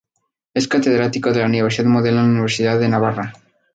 Es catedrático de Historia Moderna en la Universidad de Navarra.